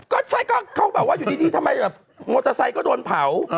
ก็ใช่เขาบอกว่าอยู่ดีทำไมโมทอไซค์ก็โดนเผา